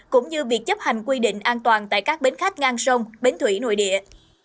cũng như việc chấp hành quy định an toàn tại các bến khách ngang sông bến thủy nội địa